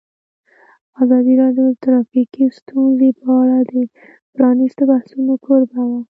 ازادي راډیو د ټرافیکي ستونزې په اړه د پرانیستو بحثونو کوربه وه.